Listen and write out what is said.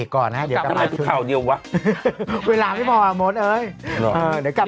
ค่าจำครับ